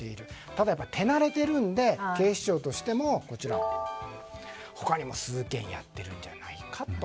ただ、やっぱり手なれているので警視庁としても、他にも数件やってるんじゃないかと。